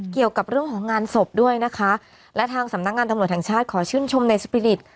เกี่ยวกับเรื่องของงานศพด้วยนะคะและทางสำนักงานตำรวจแห่งชาติขอชื่นชมในสปีริต